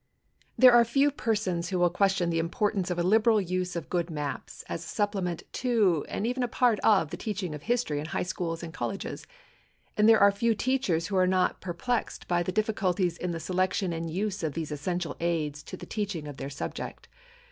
There are few persons who will question the importance of a liberal use of good maps as a supplement to and even a part of the teaching of history in high schools and colleges, and there are few teachers who are not perplexed by the difficulties in the selection and use of these essential aids to the teaching of their subject.